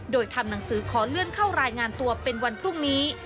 โดยทำหนังสือขอเลื่อนเข้ารายงานตัวเป็นวันพรุ่งนี้